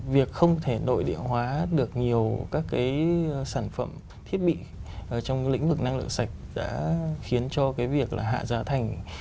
việc không thể nội địa hóa được nhiều các cái sản phẩm thiết bị trong lĩnh vực năng lượng sạch đã khiến cho cái việc là hạ giá thành